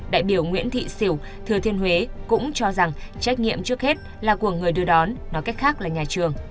đại biểu nguyễn thị xỉu thừa thiên huế cũng cho rằng trách nhiệm trước hết là của người đưa đón nói cách khác là nhà trường